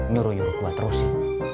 nyuruh nyuruh gue terus ya